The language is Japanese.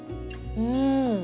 うん。